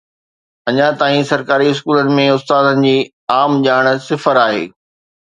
اڃا تائين سرڪاري اسڪولن ۾ استادن جي عام ڄاڻ صفر آهي